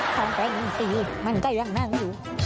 ของแมวนู้นดีมันก็ยังนั่งอยู่